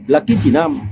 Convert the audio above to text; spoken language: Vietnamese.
là kinh chỉ nam